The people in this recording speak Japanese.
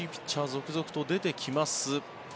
続々と出てきます。